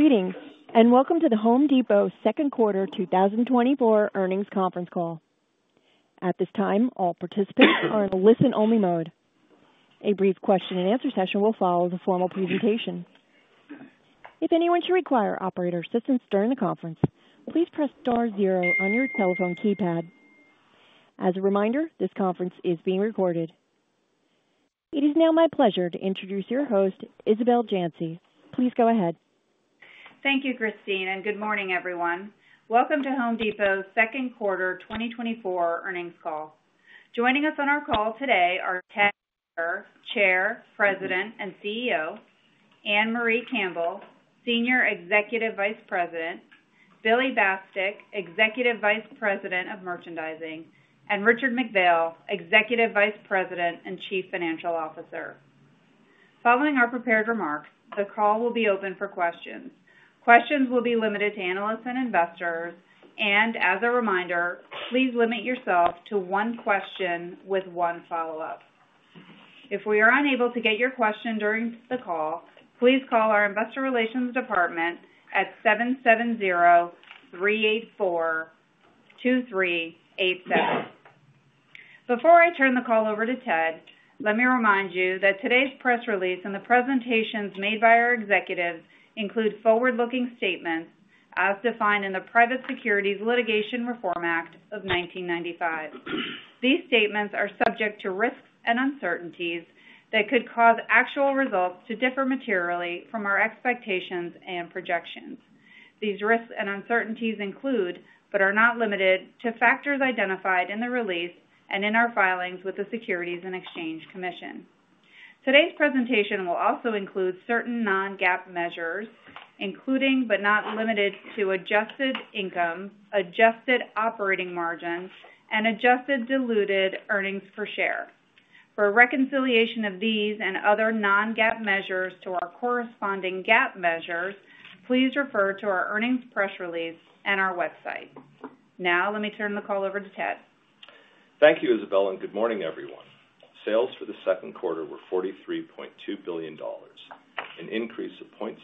Greetings, and welcome to The Home Depot Second Quarter 2024 earnings conference call. At this time, all participants are in a listen-only mode. A brief question and answer session will follow the formal presentation. If anyone should require operator assistance during the conference, please press star zero on your telephone keypad. As a reminder, this conference is being recorded. It is now my pleasure to introduce your host, Isabel Janci. Please go ahead. Thank you, Christine, and good morning, everyone. Welcome to Home Depot's Second quarter 2024 earnings call. Joining us on our call today are Ted Decker, Chair, President, and CEO, Ann-Marie Campbell, Senior Executive Vice President, Billy Bastek, Executive Vice President of Merchandising, and Richard McPhail, Executive Vice President and Chief Financial Officer. Following our prepared remarks, the call will be open for questions. Questions will be limited to analysts and investors, and as a reminder, please limit yourself to one question with one follow-up. If we are unable to get your question during the call, please call our investor relations department at 770-384-2387. Before I turn the call over to Ted, let me remind you that today's press release and the presentations made by our executives include forward-looking statements as defined in the Private Securities Litigation Reform Act of 1995. These statements are subject to risks and uncertainties that could cause actual results to differ materially from our expectations and projections. These risks and uncertainties include, but are not limited to, factors identified in the release and in our filings with the Securities and Exchange Commission. Today's presentation will also include certain non-GAAP measures, including, but not limited to, adjusted income, adjusted operating margin, and adjusted diluted earnings per share. For a reconciliation of these and other non-GAAP measures to our corresponding GAAP measures, please refer to our earnings press release and our website. Now, let me turn the call over to Ted. Thank you, Isabel, and good morning, everyone. Sales for the second quarter were $43.2 billion, an increase of 0.6%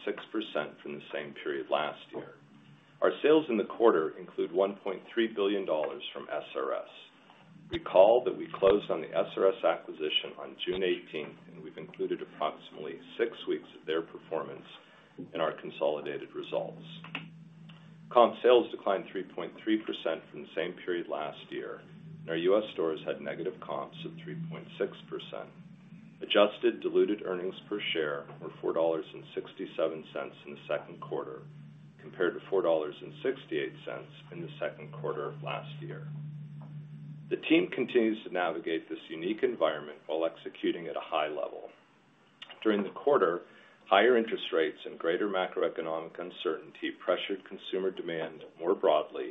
from the same period last year. Our sales in the quarter include $1.3 billion from SRS. Recall that we closed on the SRS acquisition on June eighteenth, and we've included approximately six weeks of their performance in our consolidated results. Comp sales declined 3.3% from the same period last year, and our U.S. stores had negative comps of 3.6%. Adjusted diluted earnings per share were $4.67 in the second quarter, compared to $4.68 in the second quarter of last year. The team continues to navigate this unique environment while executing at a high level. During the quarter, higher interest rates and greater macroeconomic uncertainty pressured consumer demand more broadly,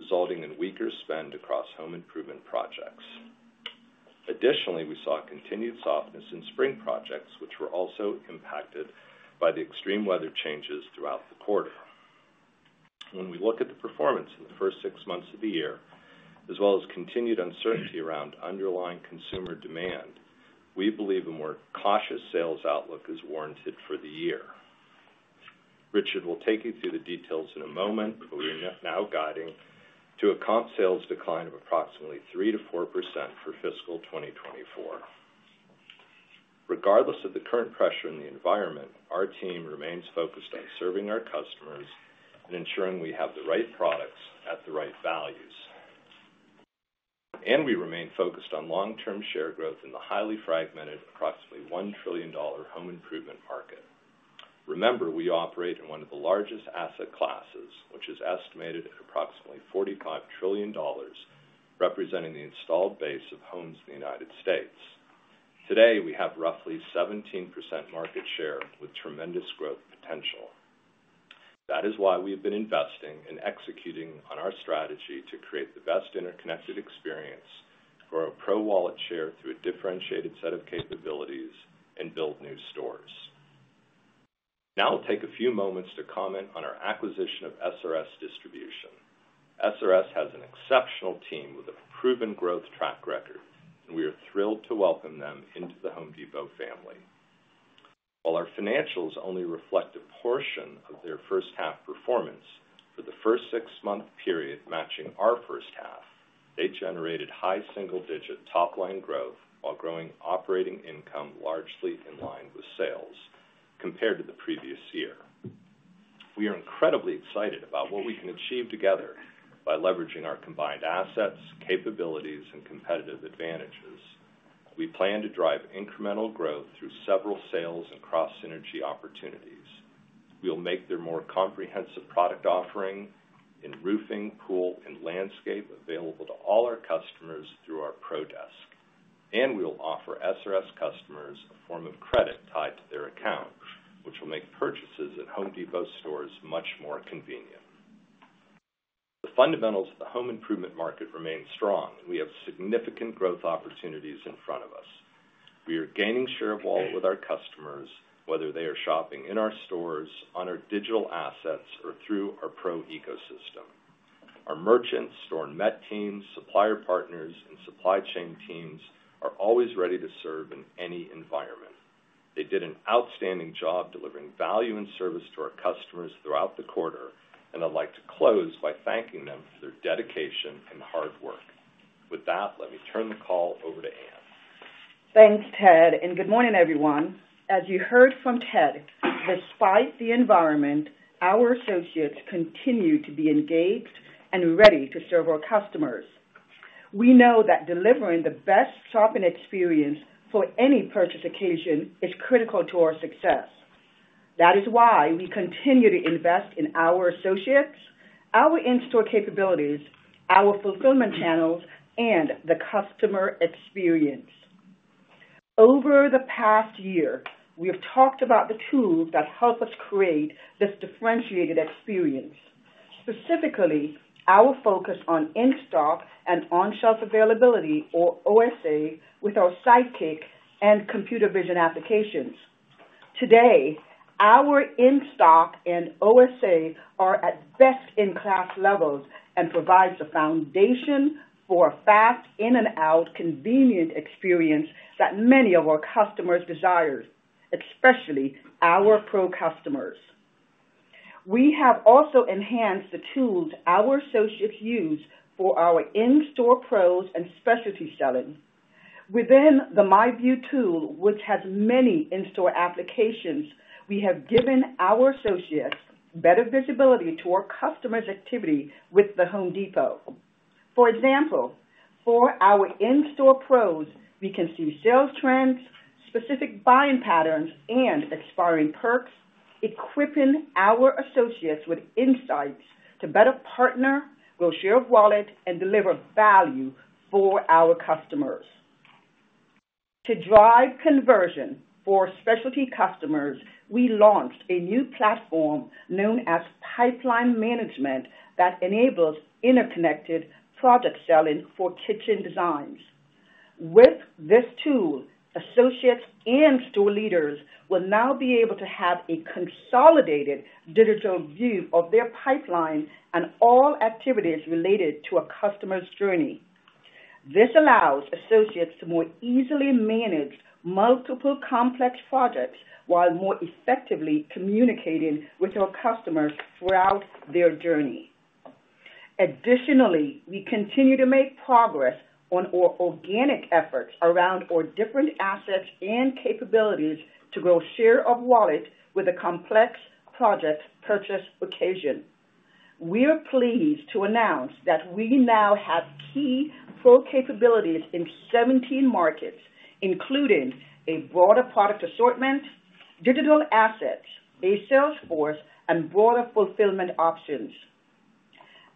resulting in weaker spend across home improvement projects. Additionally, we saw continued softness in spring projects, which were also impacted by the extreme weather changes throughout the quarter. When we look at the performance in the first six months of the year, as well as continued uncertainty around underlying consumer demand, we believe a more cautious sales outlook is warranted for the year. Richard will take you through the details in a moment, but we're now guiding to a comp sales decline of approximately 3%-4% for fiscal 2024. Regardless of the current pressure in the environment, our team remains focused on serving our customers and ensuring we have the right products at the right values. We remain focused on long-term share growth in the highly fragmented, approximately $1 trillion home improvement market. Remember, we operate in one of the largest asset classes, which is estimated at approximately $45 trillion, representing the installed base of homes in the United States. Today, we have roughly 17% market share with tremendous growth potential. That is why we have been investing and executing on our strategy to create the best interconnected experience for our Pro wallet share through a differentiated set of capabilities and build new stores. Now I'll take a few moments to comment on our acquisition of SRS Distribution. SRS has an exceptional team with a proven growth track record, and we are thrilled to welcome them into the Home Depot family. While our financials only reflect a portion of their first half performance, for the first six-month period matching our first half, they generated high single-digit top-line growth while growing operating income largely in line with sales compared to the previous year. We are incredibly excited about what we can achieve together by leveraging our combined assets, capabilities, and competitive advantages. We plan to drive incremental growth through several sales and cross-synergy opportunities. We will make their more comprehensive product offering in roofing, pool, and landscape available to all our customers through our Pro Desk. We will offer SRS customers a form of credit tied to their account, which will make purchases at Home Depot stores much more convenient. The fundamentals of the home improvement market remain strong, and we have significant growth opportunities in front of us. We are gaining share of wallet with our customers, whether they are shopping in our stores, on our digital assets, or through our Pro ecosystem.... Our merchant store net teams, supplier partners, and supply chain teams are always ready to serve in any environment. They did an outstanding job delivering value and service to our customers throughout the quarter, and I'd like to close by thanking them for their dedication and hard work. With that, let me turn the call over to Ann. Thanks, Ted, and good morning, everyone. As you heard from Ted, despite the environment, our associates continue to be engaged and ready to serve our customers. We know that delivering the best shopping experience for any purchase occasion is critical to our success. That is why we continue to invest in our associates, our in-store capabilities, our fulfillment channels, and the customer experience. Over the past year, we have talked about the tools that help us create this differentiated experience, specifically our focus on in-stock and on-shelf availability or OSA, with our Sidekick and computer vision applications. Today, our in-stock and OSA are at best-in-class levels and provides a foundation for a fast in-and-out, convenient experience that many of our customers desire, especially our Pro customers. We have also enhanced the tools our associates use for our in-store Pros and specialty selling. Within the MyView tool, which has many in-store applications, we have given our associates better visibility to our customers' activity with The Home Depot. For example, for our in-store Pros, we can see sales trends, specific buying patterns, and expiring perks, equipping our associates with insights to better partner, grow share of wallet, and deliver value for our customers. To drive conversion for specialty customers, we launched a new platform known as Pipeline Management, that enables interconnected project selling for kitchen designs. With this tool, associates and store leaders will now be able to have a consolidated digital view of their pipeline and all activities related to a customer's journey. This allows associates to more easily manage multiple complex projects while more effectively communicating with our customers throughout their journey. Additionally, we continue to make progress on our organic efforts around our different assets and capabilities to grow share of wallet with a complex project purchase occasion. We are pleased to announce that we now have key Pro capabilities in 17 markets, including a broader product assortment, digital assets, a sales force, and broader fulfillment options.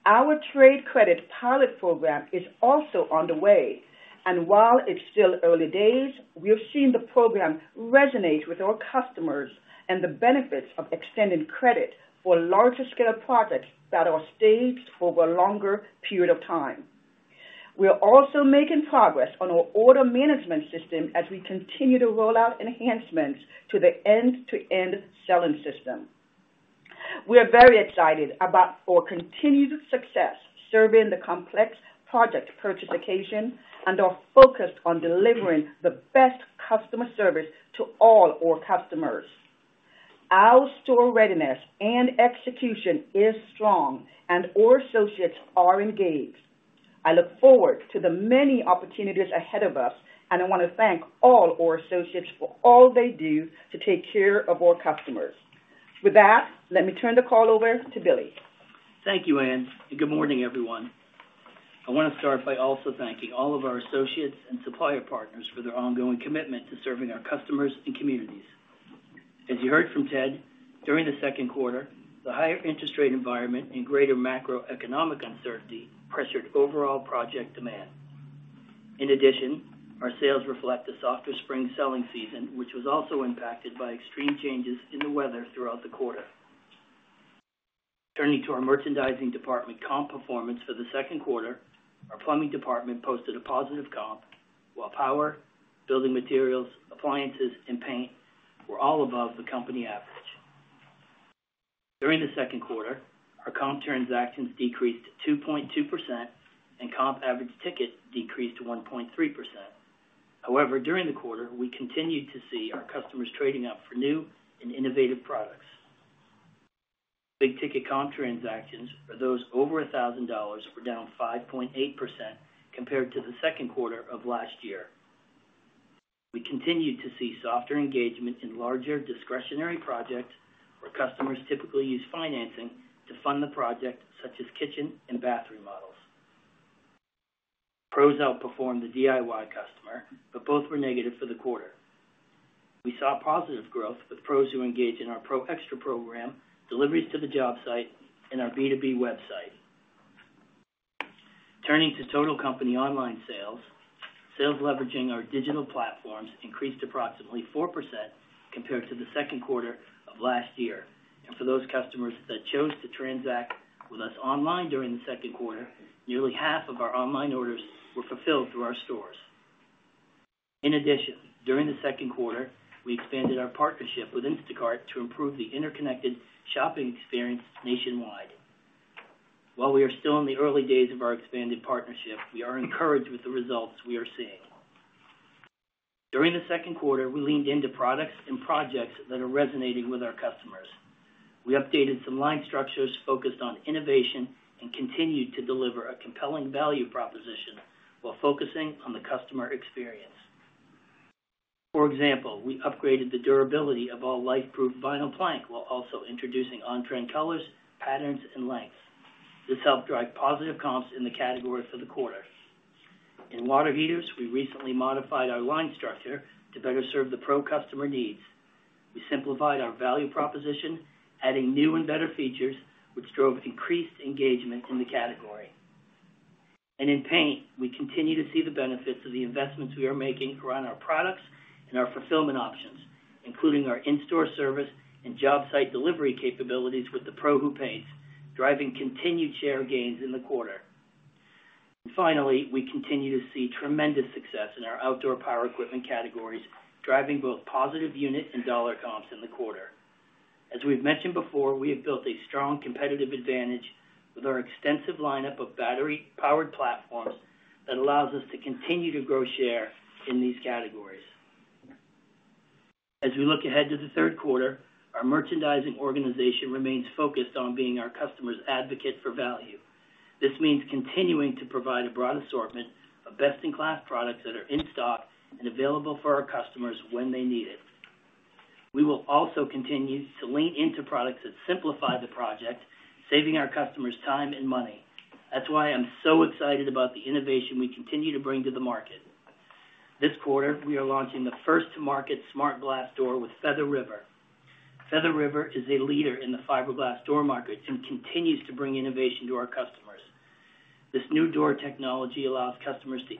Our trade credit pilot program is also on the way, and while it's still early days, we have seen the program resonate with our customers and the benefits of extending credit for larger scale projects that are staged over a longer period of time. We are also making progress on our order management system as we continue to roll out enhancements to the end-to-end selling system. We are very excited about our continued success serving the complex project purchase occasion, and are focused on delivering the best customer service to all our customers. Our store readiness and execution is strong and our associates are engaged. I look forward to the many opportunities ahead of us, and I want to thank all our associates for all they do to take care of our customers. With that, let me turn the call over to Billy. Thank you, Ann, and good morning, everyone. I want to start by also thanking all of our associates and supplier partners for their ongoing commitment to serving our customers and communities. As you heard from Ted, during the second quarter, the higher interest rate environment and greater macroeconomic uncertainty pressured overall project demand. In addition, our sales reflect a softer spring selling season, which was also impacted by extreme changes in the weather throughout the quarter. Turning to our merchandising department comp performance for the second quarter, our plumbing department posted a positive comp, while power, building materials, appliances, and paint were all above the company average. During the second quarter, our comp transactions decreased 2.2%, and comp average ticket decreased 1.3%. However, during the quarter, we continued to see our customers trading up for new and innovative products. Big ticket comp transactions for those over $1,000 were down 5.8% compared to the second quarter of last year. We continued to see softer engagement in larger discretionary projects, where customers typically use financing to fund the project, such as kitchen and bathroom models. Pros outperformed the DIY customer, but both were negative for the quarter. We saw positive growth with Pros who engaged in our Pro Xtra program, deliveries to the job site, and our B2B website. Turning to total company online sales, sales leveraging our digital platforms increased approximately 4% compared to the second quarter of last year. For those customers that chose to transact with us online during the second quarter, nearly half of our online orders were fulfilled through our stores.... In addition, during the second quarter, we expanded our partnership with Instacart to improve the interconnected shopping experience nationwide. While we are still in the early days of our expanded partnership, we are encouraged with the results we are seeing. During the second quarter, we leaned into products and projects that are resonating with our customers. We updated some line structures focused on innovation and continued to deliver a compelling value proposition while focusing on the customer experience. For example, we upgraded the durability of our LifeProof vinyl plank, while also introducing on-trend colors, patterns, and lengths. This helped drive positive comps in the category for the quarter. In water heaters, we recently modified our line structure to better serve the Pro customer needs. We simplified our value proposition, adding new and better features, which drove increased engagement in the category. And in paint, we continue to see the benefits of the investments we are making around our products and our fulfillment options, including our in-store service and job site delivery capabilities with the Pro who paints, driving continued share gains in the quarter. And finally, we continue to see tremendous success in our outdoor power equipment categories, driving both positive unit and dollar comps in the quarter. As we've mentioned before, we have built a strong competitive advantage with our extensive lineup of battery-powered platforms that allows us to continue to grow share in these categories. As we look ahead to the third quarter, our merchandising organization remains focused on being our customer's advocate for value. This means continuing to provide a broad assortment of best-in-class products that are in stock and available for our customers when they need it. We will also continue to lean into products that simplify the project, saving our customers time and money. That's why I'm so excited about the innovation we continue to bring to the market. This quarter, we are launching the first-to-market smart glass door with Feather River. Feather River is a leader in the fiberglass door market and continues to bring innovation to our customers. This new door technology allows customers to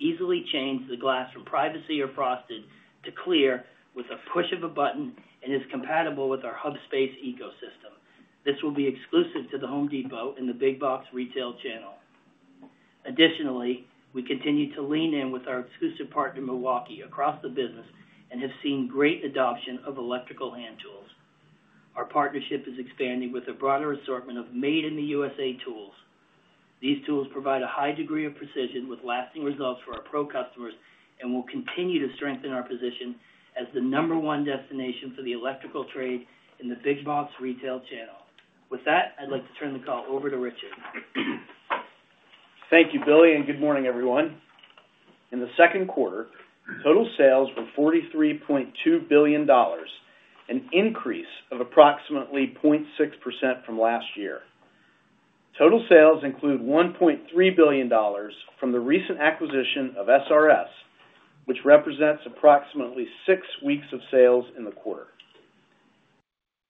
easily change the glass from privacy or frosted to clear with a push of a button, and is compatible with our Hubspace ecosystem. This will be exclusive to The Home Depot in the big box retail channel. Additionally, we continue to lean in with our exclusive partner, Milwaukee, across the business, and have seen great adoption of electrical hand tools. Our partnership is expanding with a broader assortment of made in the USA tools. These tools provide a high degree of precision with lasting results for our pro customers, and will continue to strengthen our position as the number one destination for the electrical trade in the big box retail channel. With that, I'd like to turn the call over to Richard. Thank you, Billy, and good morning, everyone. In the second quarter, total sales were $43.2 billion, an increase of approximately 0.6% from last year. Total sales include $1.3 billion from the recent acquisition of SRS, which represents approximately six weeks of sales in the quarter.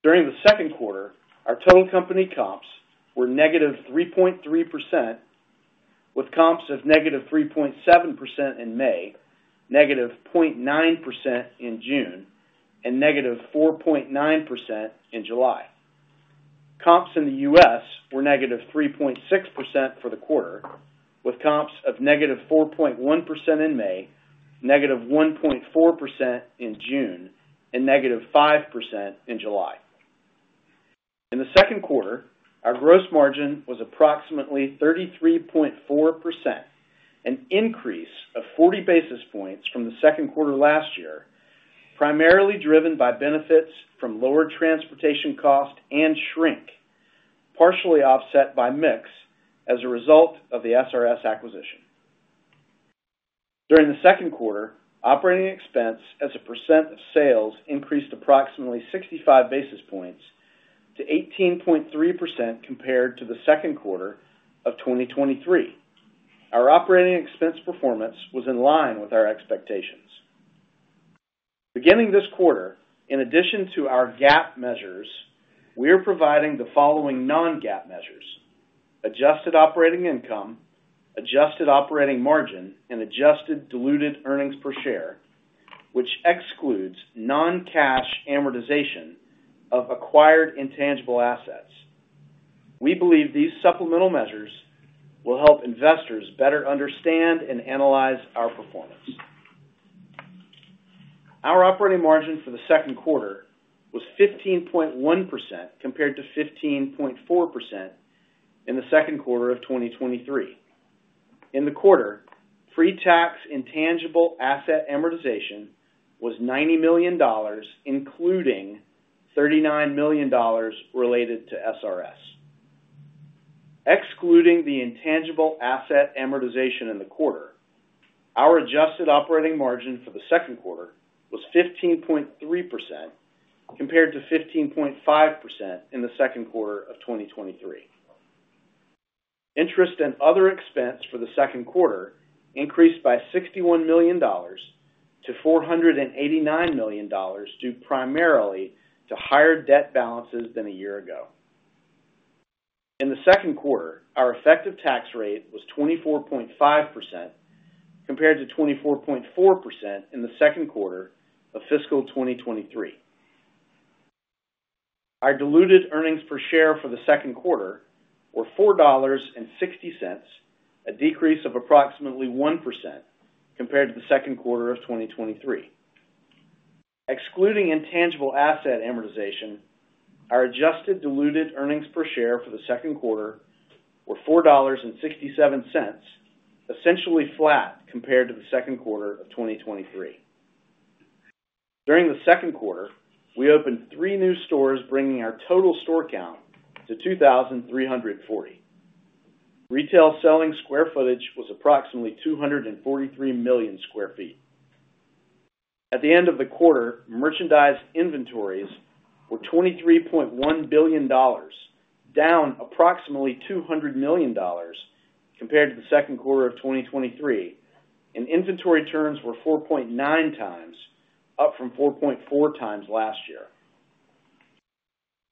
During the second quarter, our total company comps were -3.3%, with comps of -3.7% in May, -0.9% in June, and -4.9% in July. Comps in the US were -3.6% for the quarter, with comps of -4.1% in May, -1.4% in June, and -5% in July. In the second quarter, our gross margin was approximately 33.4%, an increase of 40 basis points from the second quarter last year, primarily driven by benefits from lower transportation cost and shrink, partially offset by mix as a result of the SRS acquisition. During the second quarter, operating expense as a percent of sales increased approximately 65 basis points to 18.3% compared to the second quarter of 2023. Our operating expense performance was in line with our expectations. Beginning this quarter, in addition to our GAAP measures, we are providing the following non-GAAP measures: adjusted operating income, adjusted operating margin, and adjusted diluted earnings per share, which excludes non-cash amortization of acquired intangible assets. We believe these supplemental measures will help investors better understand and analyze our performance. Our operating margin for the second quarter was 15.1%, compared to 15.4% in the second quarter of 2023. In the quarter, pre-tax intangible asset amortization was $90 million, including $39 million related to SRS. Excluding the intangible asset amortization in the quarter, our adjusted operating margin for the second quarter was 15.3%, compared to 15.5% in the second quarter of 2023. Interest and other expense for the second quarter increased by $61 million to $489 million, due primarily to higher debt balances than a year ago. In the second quarter, our effective tax rate was 24.5%, compared to 24.4% in the second quarter of fiscal 2023.... Our diluted earnings per share for the second quarter were $4.60, a decrease of approximately 1% compared to the second quarter of 2023. Excluding intangible asset amortization, our adjusted diluted earnings per share for the second quarter were $4.67, essentially flat compared to the second quarter of 2023. During the second quarter, we opened 3 new stores, bringing our total store count to 2,340. Retail selling square footage was approximately 243 million sq ft. At the end of the quarter, merchandise inventories were $23.1 billion, down approximately $200 million compared to the second quarter of 2023, and inventory turns were 4.9 times, up from 4.4 times last year.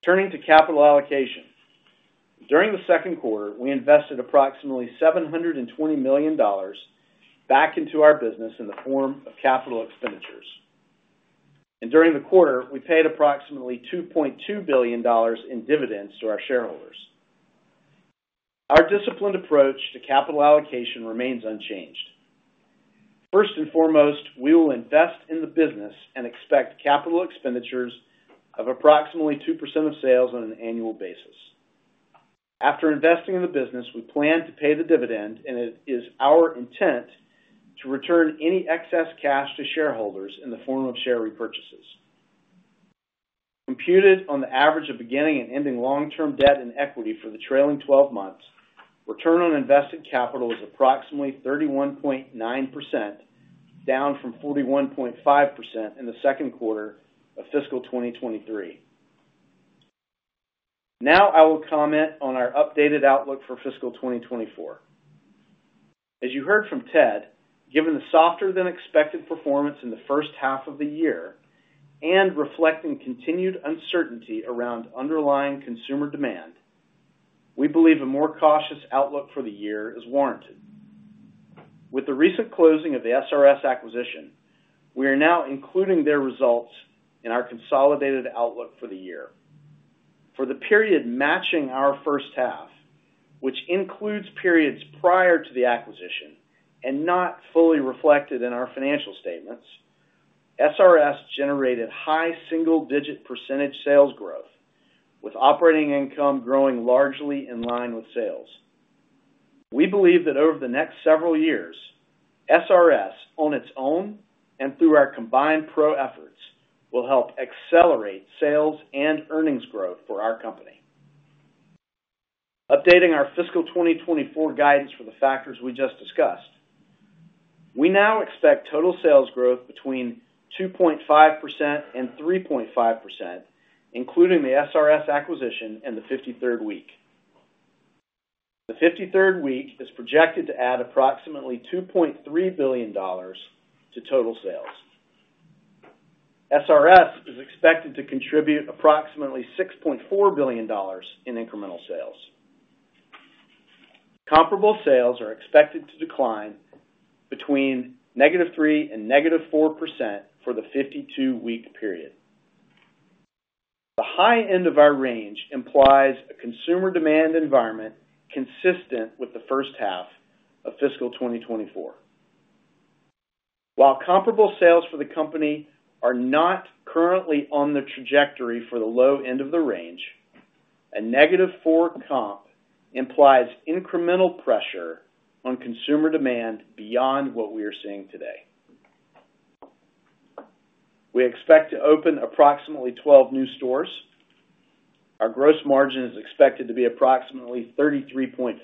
Turning to capital allocation. During the second quarter, we invested approximately $720 million back into our business in the form of capital expenditures. During the quarter, we paid approximately $2.2 billion in dividends to our shareholders. Our disciplined approach to capital allocation remains unchanged. First and foremost, we will invest in the business and expect capital expenditures of approximately 2% of sales on an annual basis. After investing in the business, we plan to pay the dividend, and it is our intent to return any excess cash to shareholders in the form of share repurchases. Computed on the average of beginning and ending long-term debt and equity for the trailing twelve months, return on invested capital is approximately 31.9%, down from 41.5% in the second quarter of fiscal 2023. Now I will comment on our updated outlook for fiscal 2024. As you heard from Ted, given the softer than expected performance in the first half of the year and reflecting continued uncertainty around underlying consumer demand, we believe a more cautious outlook for the year is warranted. With the recent closing of the SRS acquisition, we are now including their results in our consolidated outlook for the year. For the period matching our first half, which includes periods prior to the acquisition and not fully reflected in our financial statements, SRS generated high single-digit percentage sales growth, with operating income growing largely in line with sales. We believe that over the next several years, SRS, on its own and through our combined Pro efforts, will help accelerate sales and earnings growth for our company. Updating our fiscal 2024 guidance for the factors we just discussed, we now expect total sales growth between 2.5% and 3.5%, including the SRS acquisition and the 53rd week. The 53rd week is projected to add approximately $2.3 billion to total sales. SRS is expected to contribute approximately $6.4 billion in incremental sales. Comparable sales are expected to decline between -3% and -4% for the 52-week period. The high end of our range implies a consumer demand environment consistent with the first half of fiscal 2024. While comparable sales for the company are not currently on the trajectory for the low end of the range, a -4% comp implies incremental pressure on consumer demand beyond what we are seeing today. We expect to open approximately 12 new stores. Our gross margin is expected to be approximately 33.5%.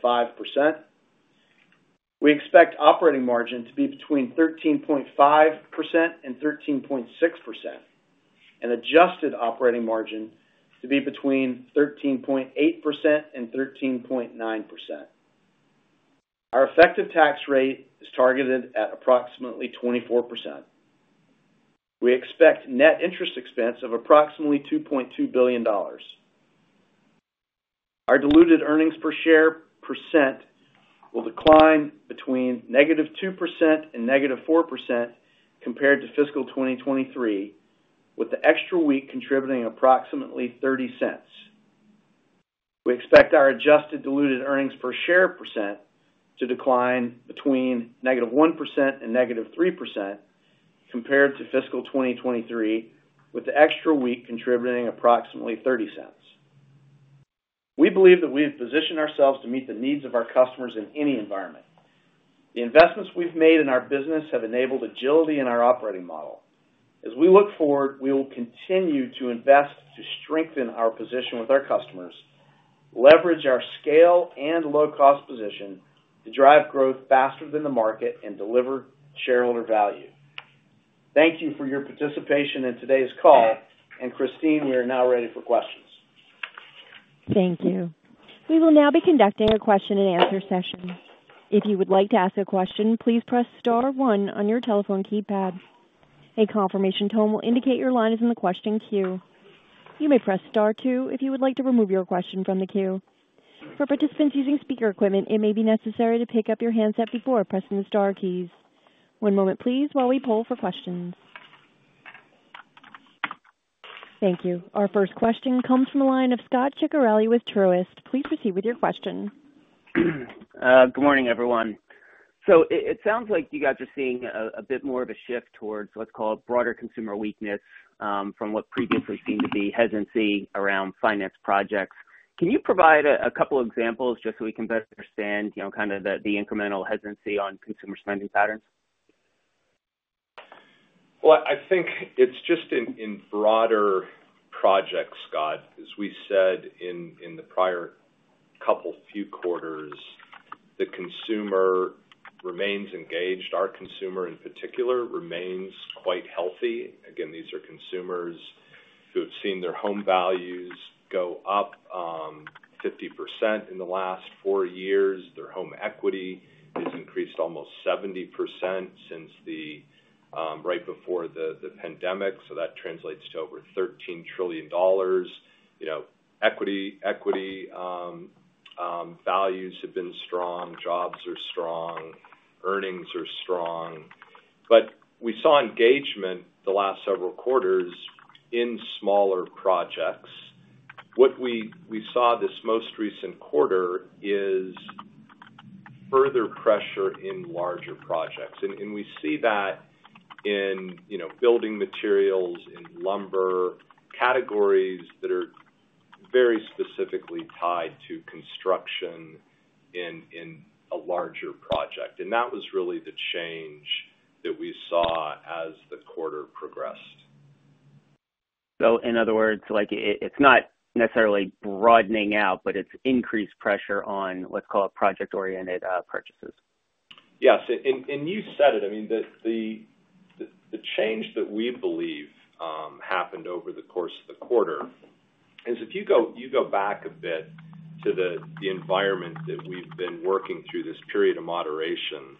We expect operating margin to be between 13.5% and 13.6%, and adjusted operating margin to be between 13.8% and 13.9%. Our effective tax rate is targeted at approximately 24%. We expect net interest expense of approximately $2.2 billion. Our diluted earnings per share percent will decline between -2% and -4% compared to fiscal 2023, with the extra week contributing approximately $0.30. We expect our adjusted diluted earnings per share percent to decline between -1% and -3% compared to fiscal 2023, with the extra week contributing approximately $0.30. We believe that we have positioned ourselves to meet the needs of our customers in any environment. The investments we've made in our business have enabled agility in our operating model. As we look forward, we will continue to invest to strengthen our position with our customers, leverage our scale and low-cost position to drive growth faster than the market and deliver shareholder value. Thank you for your participation in today's call. Christine, we are now ready for questions. Thank you. We will now be conducting a question and answer session. If you would like to ask a question, please press star one on your telephone keypad. A confirmation tone will indicate your line is in the question queue. You may press star two if you would like to remove your question from the queue. For participants using speaker equipment, it may be necessary to pick up your handset before pressing the star keys. One moment, please, while we poll for questions. Thank you. Our first question comes from the line of Scot Ciccarelli with Truist. Please proceed with your question. Good morning, everyone. So it sounds like you guys are seeing a bit more of a shift towards, let's call it, broader consumer weakness, from what previously seemed to be hesitancy around finance projects. Can you provide a couple examples just so we can better understand, you know, kind of the incremental hesitancy on consumer spending patterns? Well, I think it's just in broader projects, Scot. As we said in the prior couple few quarters, the consumer remains engaged. Our consumer, in particular, remains quite healthy. Again, these are consumers who have seen their home values go up 50% in the last 4 years. Their home equity has increased almost 70% since right before the pandemic, so that translates to over $13 trillion. You know, equity values have been strong, jobs are strong, earnings are strong. But we saw engagement the last several quarters in smaller projects. What we saw this most recent quarter is further pressure in larger projects, and we see that in you know, building materials, in lumber, categories that are very specifically tied to construction in a larger project. That was really the change that we saw as the quarter progressed. So in other words, like, it's not necessarily broadening out, but it's increased pressure on, let's call it, project-oriented purchases? Yes, and you said it, I mean, the change that we believe happened over the course of the quarter is if you go back a bit to the environment that we've been working through this period of moderation,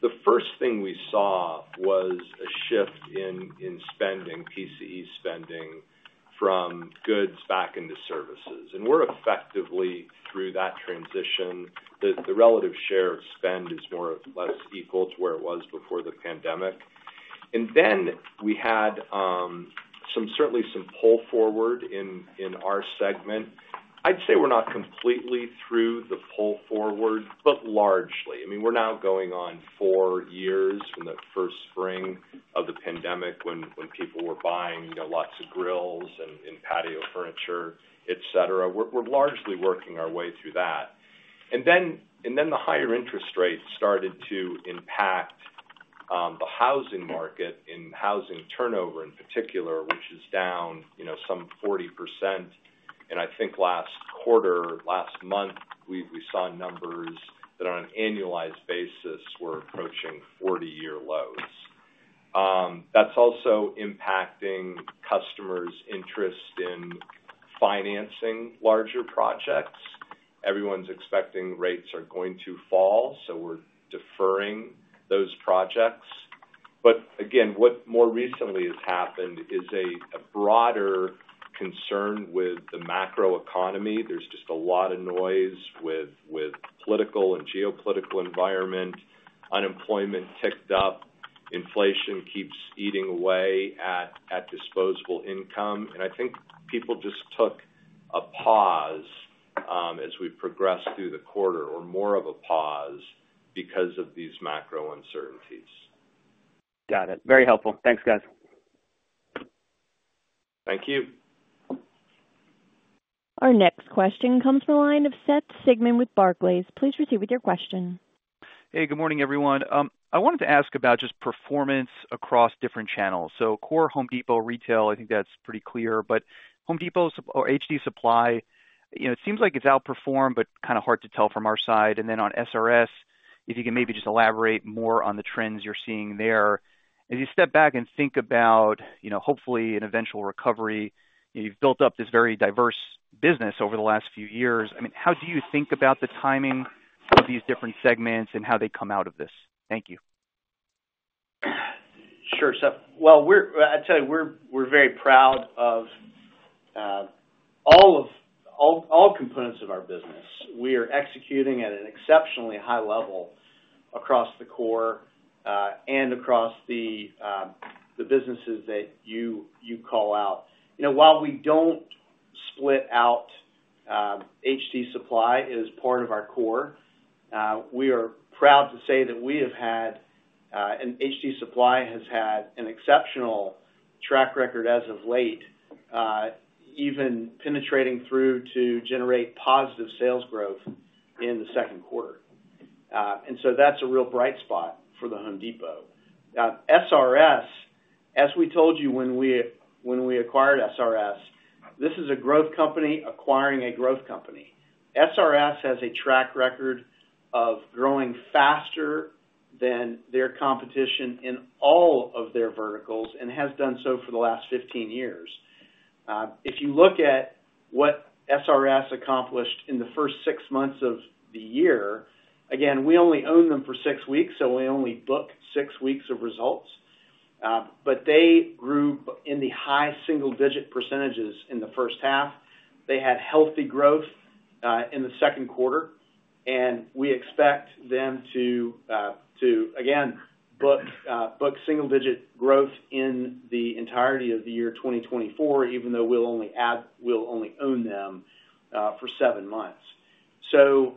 the first thing we saw was a shift in spending, PCE spending, from goods back into services. And we're effectively through that transition. The relative share of spend is more or less equal to where it was before the pandemic. And then we had some, certainly some pull forward in our segment. I'd say we're not completely through the pull forward, but largely. I mean, we're now going on four years from the first spring of the pandemic when people were buying, you know, lots of grills and patio furniture, et cetera. We're largely working our way through that. And then the higher interest rates started to impact the housing market and housing turnover in particular, which is down, you know, some 40%. And I think last quarter, last month, we saw numbers that, on an annualized basis, were approaching 40-year lows. That's also impacting customers' interest in financing larger projects. Everyone's expecting rates are going to fall, so we're deferring those projects. But again, what more recently has happened is a broader concern with the macroeconomy. There's just a lot of noise with political and geopolitical environment. Unemployment ticked up, inflation keeps eating away at disposable income, and I think people just took a pause as we progressed through the quarter, or more of a pause because of these macro uncertainties. Got it. Very helpful. Thanks, guys. Thank you. Our next question comes from the line of Seth Sigman with Barclays. Please proceed with your question. Hey, good morning, everyone. I wanted to ask about just performance across different channels. So core Home Depot retail, I think that's pretty clear, but Home Depot's or HD Supply, you know, it seems like it's outperformed, but kind of hard to tell from our side. And then on SRS, if you can maybe just elaborate more on the trends you're seeing there. As you step back and think about, you know, hopefully an eventual recovery, you've built up this very diverse business over the last few years. I mean, how do you think about the timing of these different segments and how they come out of this? Thank you. Sure, Seth. Well, we're. I'd tell you, we're very proud of all of all components of our business. We are executing at an exceptionally high level across the core and across the businesses that you call out. You know, while we don't split out HD Supply as part of our core, we are proud to say that we have had and HD Supply has had an exceptional track record as of late, even penetrating through to generate positive sales growth in the second quarter. And so that's a real bright spot for The Home Depot. Now, SRS, as we told you when we acquired SRS, this is a growth company acquiring a growth company. SRS has a track record of growing faster than their competition in all of their verticals and has done so for the last 15 years. If you look at what SRS accomplished in the first 6 months of the year, again, we only owned them for 6 weeks, so we only book 6 weeks of results. ... but they grew in the high single-digit percentages in the first half. They had healthy growth in the second quarter, and we expect them to again book single-digit growth in the entirety of the year 2024, even though we'll only own them for seven months. So,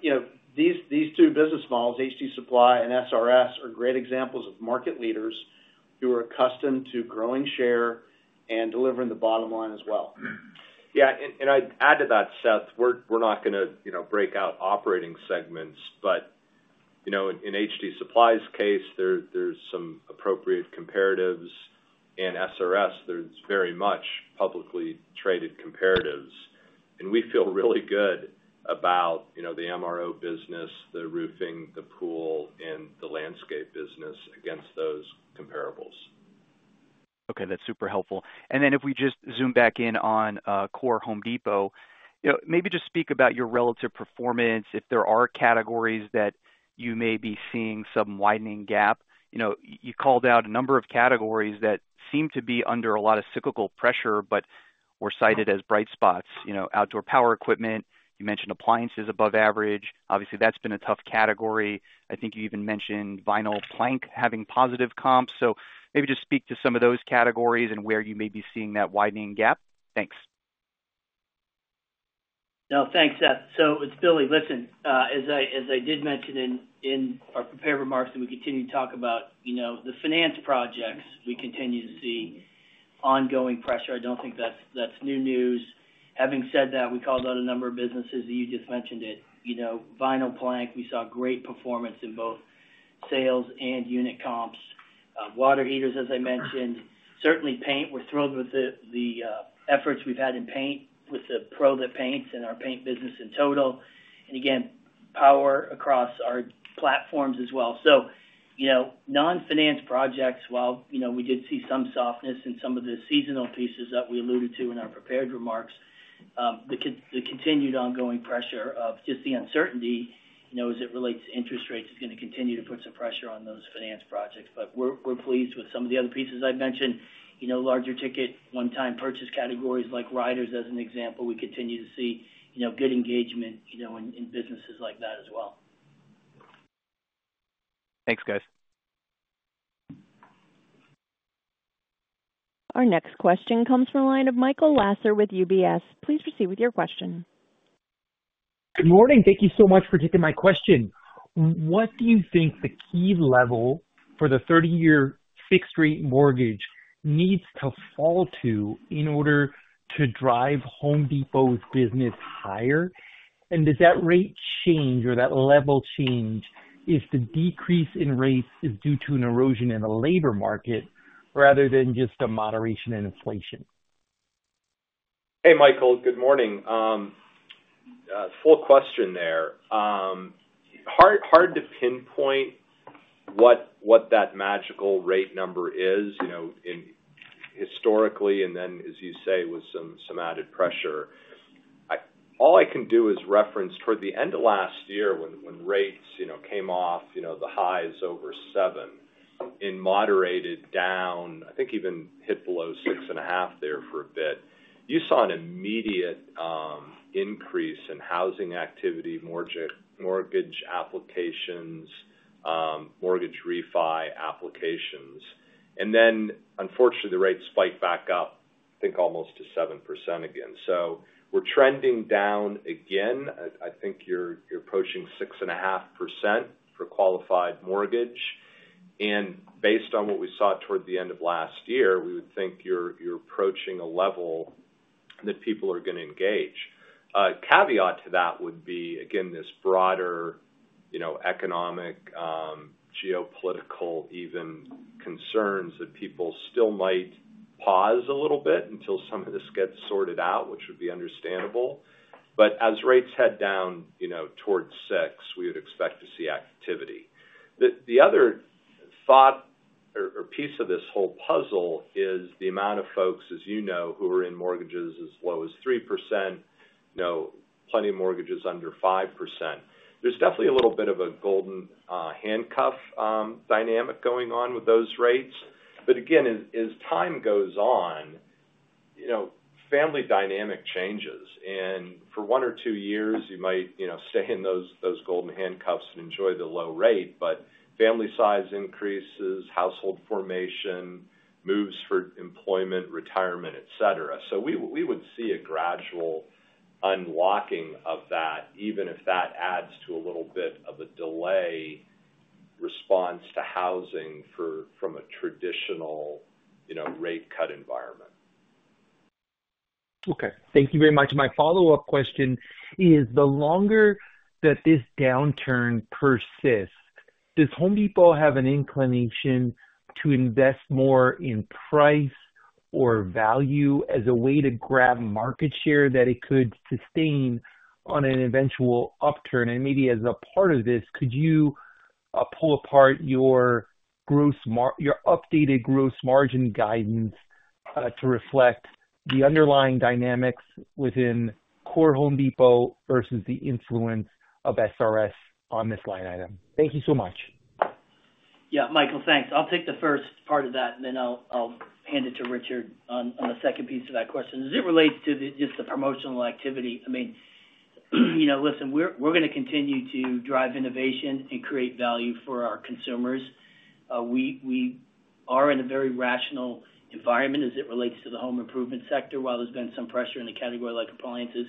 you know, these two business models, HD Supply and SRS, are great examples of market leaders who are accustomed to growing share and delivering the bottom line as well. Yeah, and I'd add to that, Seth, we're not gonna, you know, break out operating segments, but, you know, in HD Supply's case, there's some appropriate comparatives. In SRS, there's very much publicly traded comparables. And we feel really good about, you know, the MRO business, the roofing, the pool, and the landscape business against those comparables. Okay, that's super helpful. And then if we just zoom back in on core Home Depot, you know, maybe just speak about your relative performance, if there are categories that you may be seeing some widening gap. You know, you called out a number of categories that seem to be under a lot of cyclical pressure, but were cited as bright spots. You know, outdoor power equipment, you mentioned appliances above average. Obviously, that's been a tough category. I think you even mentioned vinyl plank having positive comps. So maybe just speak to some of those categories and where you may be seeing that widening gap. Thanks. No, thanks, Seth. So it's Billy. Listen, as I did mention in our prepared remarks, that we continue to talk about, you know, the finance projects, we continue to see ongoing pressure. I don't think that's new news. Having said that, we called out a number of businesses, and you just mentioned it. You know, vinyl plank, we saw great performance in both sales and unit comps. Water heaters, as I mentioned. Certainly paint, we're thrilled with the efforts we've had in paint with the Pro that paints and our paint business in total. And again, power across our platforms as well. So, you know, non-finance projects, while, you know, we did see some softness in some of the seasonal pieces that we alluded to in our prepared remarks, the continued ongoing pressure of just the uncertainty, you know, as it relates to interest rates, is gonna continue to put some pressure on those finance projects. But we're pleased with some of the other pieces I've mentioned. You know, larger ticket, one-time purchase categories like riders, as an example, we continue to see, you know, good engagement, you know, in businesses like that as well. Thanks, guys. Our next question comes from the line of Michael Lasser with UBS. Please proceed with your question. Good morning. Thank you so much for taking my question! What do you think the key level for the 30-year fixed-rate mortgage needs to fall to in order to drive Home Depot's business higher? And does that rate change or that level change if the decrease in rates is due to an erosion in the labor market rather than just a moderation in inflation? Hey, Michael, good morning. Full question there. Hard to pinpoint what that magical rate number is, you know, historically, and then, as you say, with some added pressure. All I can do is reference toward the end of last year when rates, you know, came off the highs over 7% and moderated down, I think even hit below 6.5% there for a bit. You saw an immediate increase in housing activity, mortgage applications, mortgage refi applications. And then, unfortunately, the rates spiked back up, I think, almost to 7% again. So we're trending down again. I think you're approaching 6.5% for qualified mortgage, and based on what we saw toward the end of last year, we would think you're approaching a level that people are gonna engage. Caveat to that would be, again, this broader, you know, economic, geopolitical, even concerns that people still might pause a little bit until some of this gets sorted out, which would be understandable. But as rates head down, you know, towards 6, we would expect to see activity. The other thought or piece of this whole puzzle is the amount of folks, as you know, who are in mortgages as low as 3%, you know, plenty of mortgages under 5%. There's definitely a little bit of a golden handcuff dynamic going on with those rates. But again, as time goes on, you know, family dynamic changes, and for one or two years, you might, you know, stay in those golden handcuffs and enjoy the low rate, but family size increases, household formation, moves for employment, retirement, et cetera. So we would see a gradual unlocking of that, even if that adds to a little bit of a delay response to housing from a traditional, you know, rate cut environment. Okay. Thank you very much. My follow-up question is: the longer that this downturn persists, does Home Depot have an inclination to invest more in price or value as a way to grab market share that it could sustain on an eventual upturn? And maybe as a part of this, could you pull apart your updated gross margin guidance to reflect the underlying dynamics within core Home Depot versus the influence of SRS on this line item? Thank you so much. Yeah, Michael, thanks. I'll take the first part of that, and then I'll hand it to Richard on the second piece of that question. As it relates to just the promotional activity, I mean, you know, listen, we're gonna continue to drive innovation and create value for our consumers. We are in a very rational environment as it relates to the home improvement sector, while there's been some pressure in a category like appliances.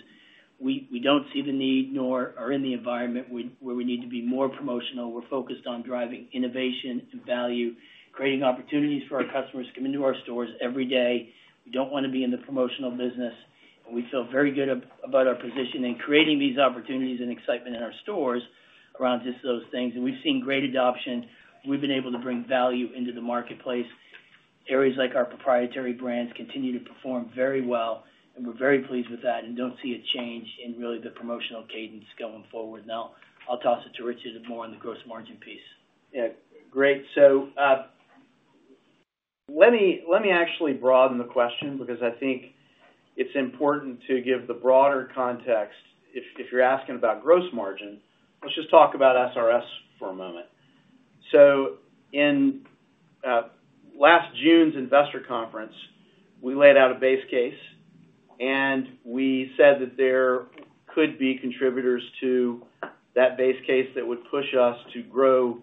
We don't see the need, nor are in the environment where we need to be more promotional. We're focused on driving innovation and value, creating opportunities for our customers to come into our stores every day. We don't wanna be in the promotional business, and we feel very good about our position in creating these opportunities and excitement in our stores around just those things. We've seen great adoption. We've been able to bring value into the marketplace. Areas like our proprietary brands continue to perform very well, and we're very pleased with that, and don't see a change in really the promotional cadence going forward. Now, I'll toss it to Richard more on the gross margin piece. Yeah, great. So, let me actually broaden the question because I think it's important to give the broader context if you're asking about gross margin, let's just talk about SRS for a moment. So in last June's investor conference, we laid out a base case, and we said that there could be contributors to that base case that would push us to grow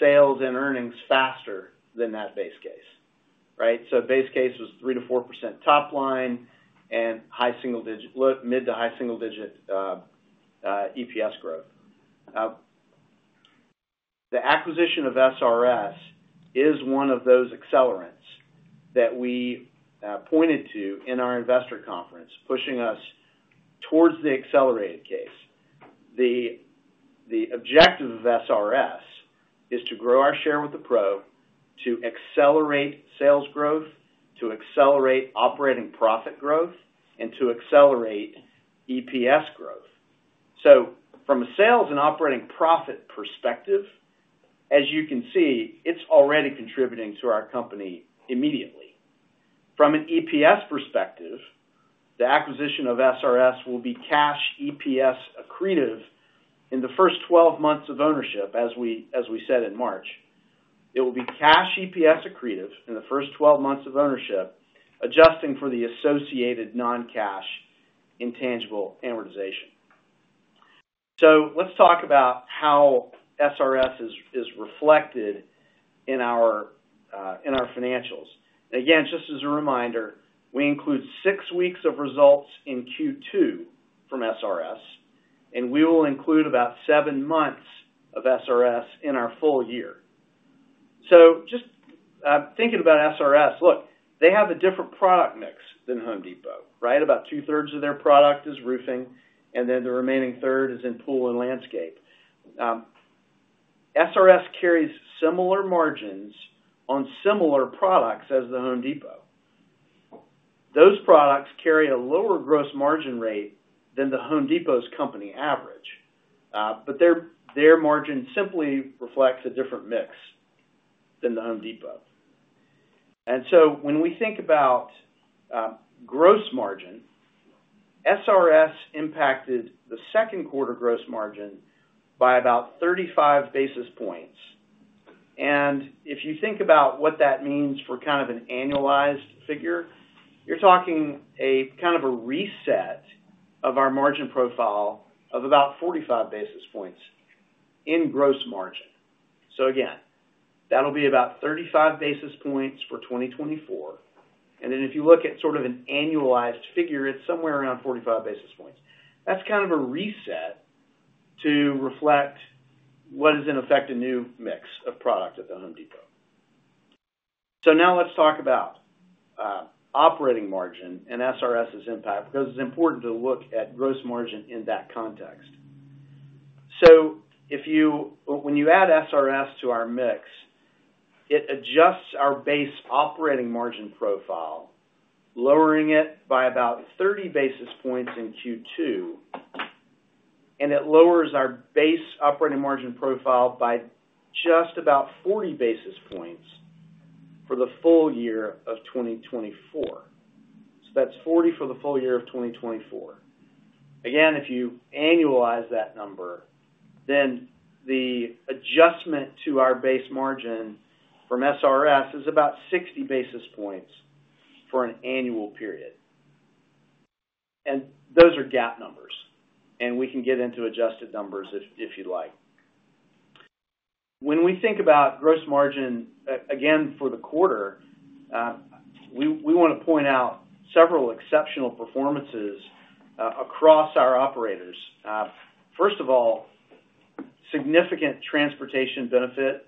sales and earnings faster than that base case, right? So base case was 3%-4% top line and mid- to high-single-digit EPS growth. The acquisition of SRS is one of those accelerants that we pointed to in our investor conference, pushing us towards the accelerated case. The objective of SRS is to grow our share with the Pro, to accelerate sales growth, to accelerate operating profit growth, and to accelerate EPS growth. So from a sales and operating profit perspective, as you can see, it's already contributing to our company immediately. From an EPS perspective, the acquisition of SRS will be cash EPS accretive in the first 12 months of ownership as we said in March. It will be cash EPS accretive in the first 12 months of ownership, adjusting for the associated non-cash intangible amortization. So let's talk about how SRS is reflected in our financials. Again, just as a reminder, we include 6 weeks of results in Q2 from SRS, and we will include about 7 months of SRS in our full year. So just thinking about SRS, look, they have a different product mix than Home Depot, right? About two-thirds of their product is roofing, and then the remaining third is in pool and landscape. SRS carries similar margins on similar products as the Home Depot. Those products carry a lower gross margin rate than the Home Depot's company average, but their, their margin simply reflects a different mix than the Home Depot. And so when we think about gross margin, SRS impacted the second quarter gross margin by about 35 basis points. And if you think about what that means for kind of an annualized figure, you're talking a kind of a reset of our margin profile of about 45 basis points in gross margin. So again, that'll be about 35 basis points for 2024. And then if you look at sort of an annualized figure, it's somewhere around 45 basis points. That's kind of a reset to reflect what is, in effect, a new mix of product at The Home Depot. So now let's talk about operating margin and SRS's impact, because it's important to look at gross margin in that context. So when you add SRS to our mix, it adjusts our base operating margin profile, lowering it by about 30 basis points in Q2, and it lowers our base operating margin profile by just about 40 basis points for the full year of 2024. So that's 40 for the full year of 2024. Again, if you annualize that number, then the adjustment to our base margin from SRS is about 60 basis points for an annual period. Those are GAAP numbers, and we can get into adjusted numbers if you'd like. When we think about gross margin, again, for the quarter, we wanna point out several exceptional performances across our operators. First of all, significant transportation benefit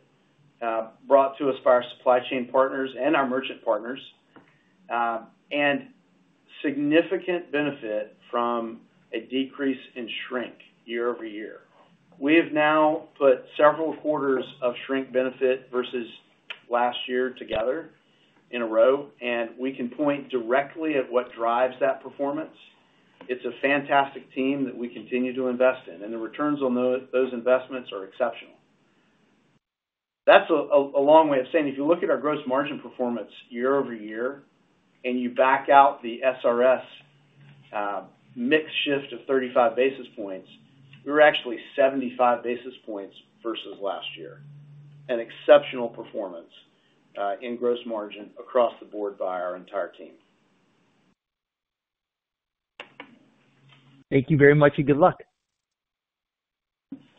brought to us by our supply chain partners and our merchant partners, and significant benefit from a decrease in shrink year over year. We have now put several quarters of shrink benefit versus last year together in a row, and we can point directly at what drives that performance. It's a fantastic team that we continue to invest in, and the returns on those investments are exceptional.... That's a long way of saying, if you look at our gross margin performance year-over-year, and you back out the SRS mix shift of 35 basis points, we were actually 75 basis points versus last year. An exceptional performance in gross margin across the board by our entire team. Thank you very much, and good luck.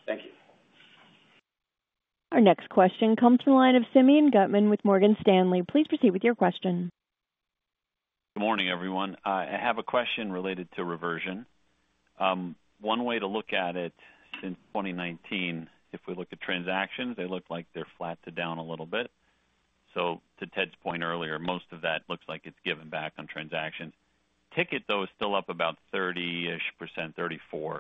Thank you. Our next question comes from the line of Simeon Gutman with Morgan Stanley. Please proceed with your question. Good morning, everyone. I have a question related to reversion. One way to look at it, since 2019, if we look at transactions, they look like they're flat to down a little bit. So to Ted's point earlier, most of that looks like it's given back on transactions. Ticket, though, is still up about 30-ish%, 34%.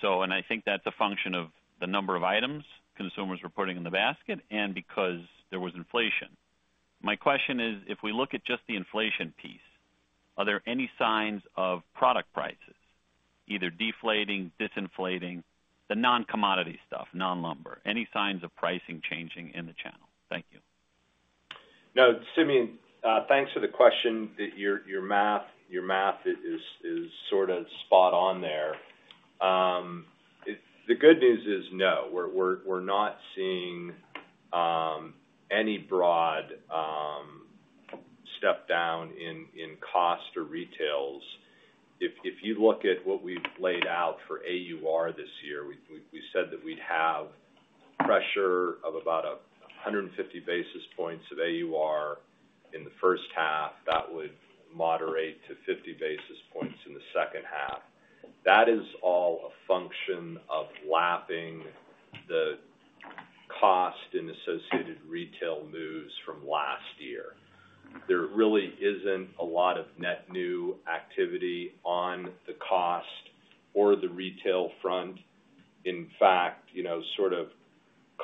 So, and I think that's a function of the number of items consumers were putting in the basket and because there was inflation. My question is, if we look at just the inflation piece, are there any signs of product prices either deflating, disinflating, the non-commodity stuff, non-lumber, any signs of pricing changing in the channel? Thank you. No, Simeon, thanks for the question. Your math is sort of spot on there. The good news is, no, we're not seeing any broad step down in cost or retails. If you look at what we've laid out for AUR this year, we said that we'd have pressure of about 150 basis points of AUR in the first half. That would moderate to 50 basis points in the second half. That is all a function of lapping the cost and associated retail moves from last year. There really isn't a lot of net new activity on the cost or the retail front. In fact, you know, sort of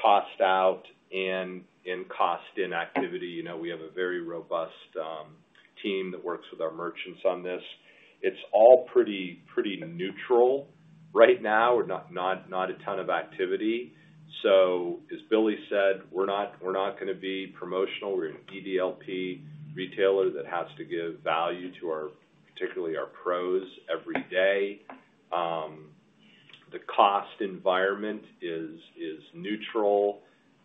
cost out and cost in activity, you know, we have a very robust team that works with our merchants on this. It's all pretty neutral. Right now, we're not a ton of activity. So as Billy said, we're not gonna be promotional. We're an EDLP retailer that has to give value to our, particularly our pros every day. The cost environment is neutral.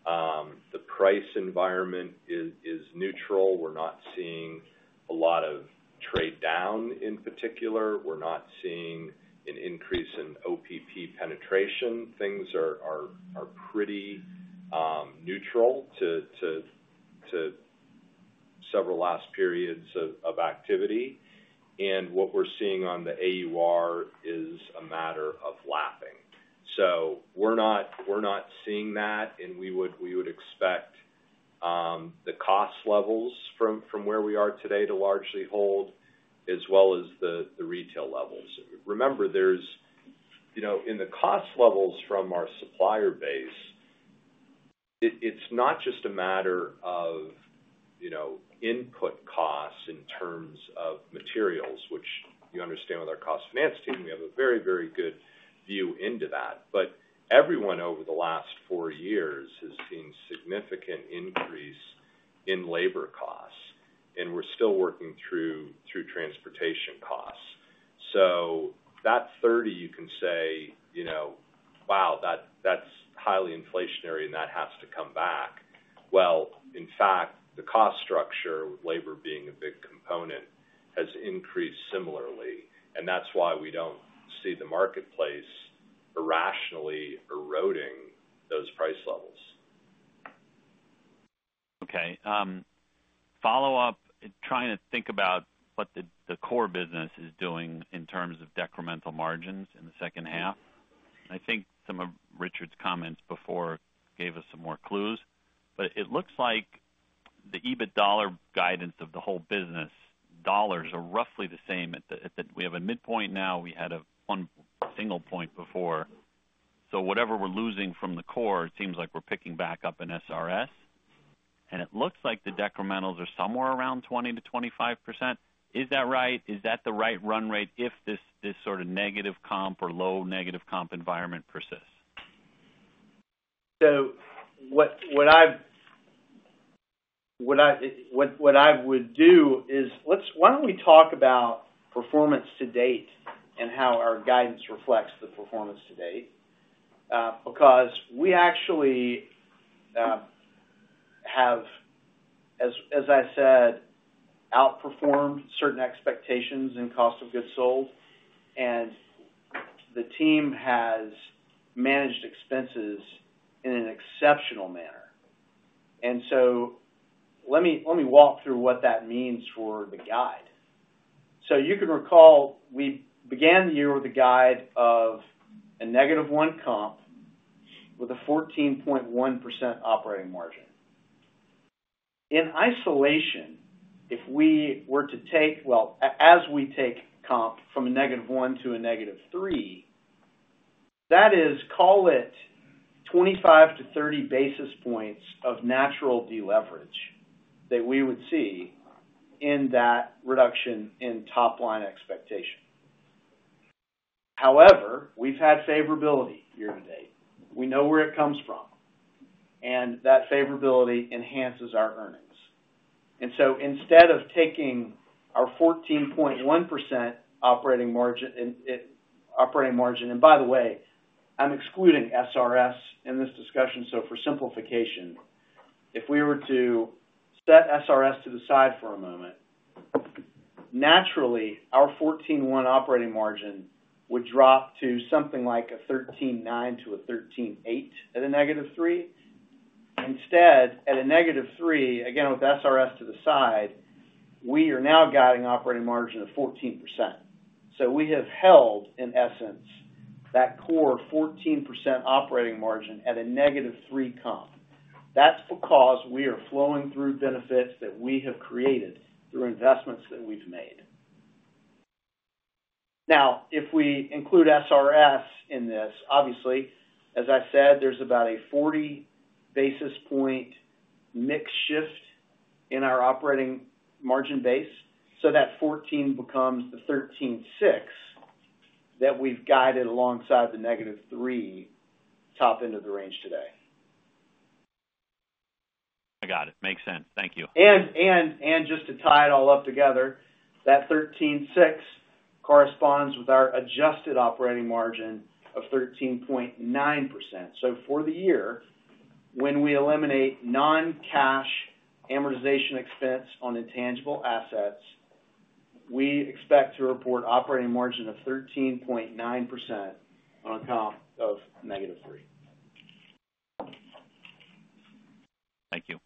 The price environment is neutral. We're not seeing a lot of trade-down in particular. We're not seeing an increase in OPP penetration. Things are pretty neutral to several last periods of activity, and what we're seeing on the AUR is a matter of lapping. So we're not, we're not seeing that, and we would, we would expect the cost levels from where we are today to largely hold, as well as the retail levels. Remember. You know, in the cost levels from our supplier base, it's not just a matter of, you know, input costs in terms of materials, which you understand with our cost finance team, we have a very, very good view into that. But everyone over the last four years has seen significant increase in labor costs, and we're still working through transportation costs. So that 30, you can say, you know, "Wow, that's highly inflationary, and that has to come back." Well, in fact, the cost structure, labor being a big component, has increased similarly, and that's why we don't see the marketplace irrationally eroding those price levels. Okay, follow-up, trying to think about what the core business is doing in terms of decremental margins in the second half. I think some of Richard's comments before gave us some more clues, but it looks like the EBIT dollar guidance of the whole business dollars are roughly the same at the we have a midpoint now, we had a one single point before. So whatever we're losing from the core, it seems like we're picking back up in SRS, and it looks like the decrementals are somewhere around 20%-25%. Is that right? Is that the right run rate if this, this sort of negative comp or low negative comp environment persists? So what I would do is let's—why don't we talk about performance to date and how our guidance reflects the performance to date? Because we actually have, as I said, outperformed certain expectations in cost of goods sold, and the team has managed expenses in an exceptional manner. So let me walk through what that means for the guide. So you can recall, we began the year with a guide of a -1 comp with a 14.1% operating margin. In isolation, if we were to take comp from a -1 to a -3, that is, call it, 25-30 basis points of natural deleverage that we would see in that reduction in top-line expectation. However, we've had favorability year-to-date. We know where it comes from, and that favorability enhances our earnings. And so instead of taking our 14.1% operating margin, and it, operating margin, and by the way, I'm excluding SRS in this discussion. So for simplification, if we were to set SRS to the side for a moment, naturally, our 14.1 operating margin would drop to something like a 13.9 to a 13.8 at a -3. Instead, at a -3, again, with SRS to the side, we are now guiding operating margin of 14%. So we have held, in essence, that core 14% operating margin at a -3 comp. That's because we are flowing through benefits that we have created through investments that we've made. Now, if we include SRS in this, obviously, as I said, there's about a 40 basis point mix shift in our operating margin base, so that 14 becomes the 13.6 that we've guided alongside the -3 top end of the range today. I got it. Makes sense. Thank you. Just to tie it all up together, that 13.6 corresponds with our adjusted operating margin of 13.9%. For the year, when we eliminate non-cash amortization expense on intangible assets, we expect to report operating margin of 13.9% on a comp of negative 3. Thank you.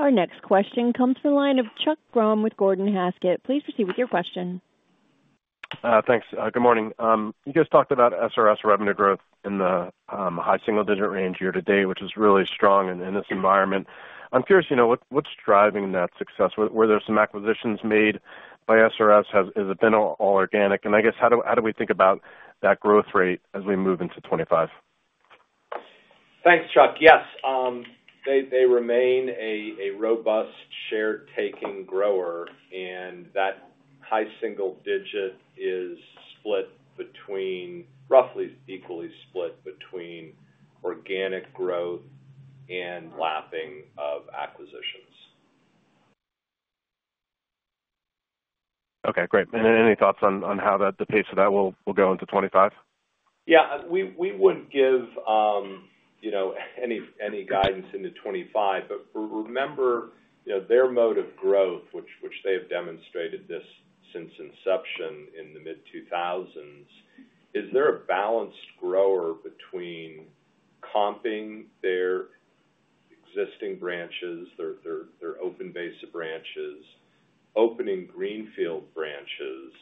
Our next question comes from the line of Chuck Grom with Gordon Haskett. Please proceed with your question. Thanks. Good morning. You just talked about SRS revenue growth in the high single-digit range year-to-date, which is really strong in this environment. I'm curious, you know, what's driving that success? Were there some acquisitions made by SRS? Has it been all organic? And I guess, how do we think about that growth rate as we move into 2025? Thanks, Chuck. Yes, they remain a robust share-taking grower, and that high single digit is split between, roughly equally split between organic growth and lapping of acquisitions. Okay, great. Any thoughts on how the pace of that will go into 2025? Yeah, we wouldn't give, you know, any guidance into 2025. But remember, you know, their mode of growth, which they have demonstrated since inception in the mid-2000s, is they're a balanced grower between comping their existing branches, their open base of branches, opening greenfield branches,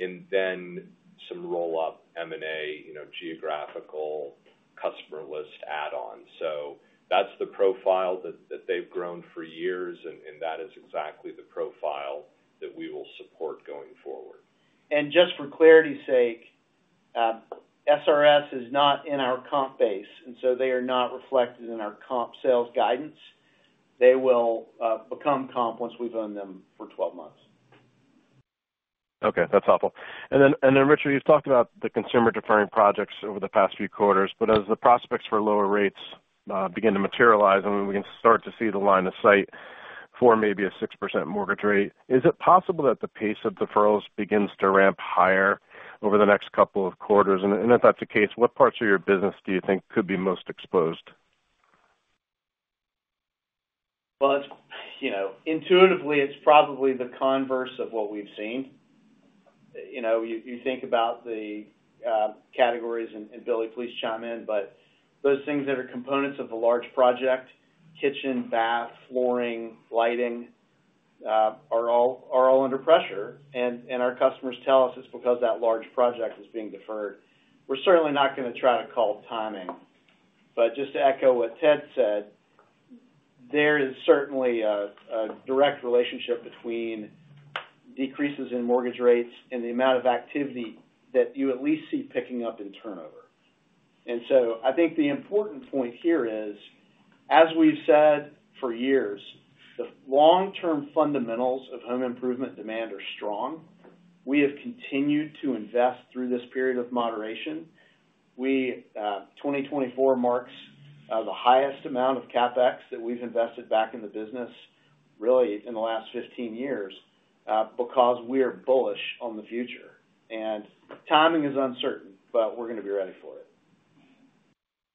and then some roll-up M&A, you know, geographical customer list add-ons. So that's the profile that they've grown for years, and that is exactly the profile that we will support going forward. Just for clarity's sake, SRS is not in our comp base, and so they are not reflected in our comp sales guidance. They will become comp once we've owned them for 12 months. Okay, that's helpful. And then, Richard, you've talked about the consumer deferring projects over the past few quarters, but as the prospects for lower rates begin to materialize, and we can start to see the line of sight for maybe a 6% mortgage rate, is it possible that the pace of deferrals begins to ramp higher over the next couple of quarters? And if that's the case, what parts of your business do you think could be most exposed? Well, it's, you know, intuitively, it's probably the converse of what we've seen. You know, you, you think about the categories, and, and Billy, please chime in, but those things that are components of a large project, kitchen, bath, flooring, lighting, are all, are all under pressure, and, and our customers tell us it's because that large project is being deferred. We're certainly not gonna try to call timing, but just to echo what Ted said, there is certainly a, a direct relationship between decreases in mortgage rates and the amount of activity that you at least see picking up in turnover. And so I think the important point here is, as we've said for years, the long-term fundamentals of home improvement demand are strong. We have continued to invest through this period of moderation. We, 2024 marks the highest amount of CapEx that we've invested back in the business, really, in the last 15 years, because we are bullish on the future. And timing is uncertain, but we're gonna be ready for it.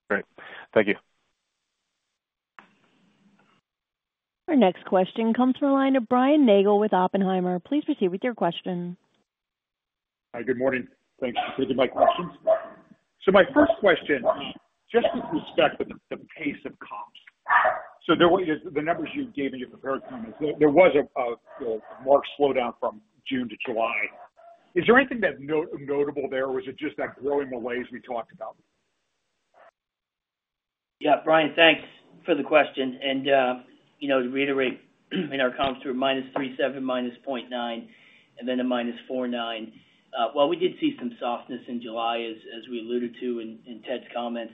Great. Thank you. Our next question comes from the line of Brian Nagel with Oppenheimer. Please proceed with your question. Hi, good morning. Thanks for taking my questions. So my first question, just with respect to the pace of comps, so there were the numbers you gave in your prepared comments, there was a marked slowdown from June to July. Is there anything notable there, or was it just that growing the ways we talked about? Yeah, Brian, thanks for the question. And, you know, to reiterate, in our comps through -3.7, -0.9, and then a -4.9. Well, we did see some softness in July, as we alluded to in Ted's comments.